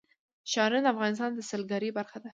ښارونه د افغانستان د سیلګرۍ برخه ده.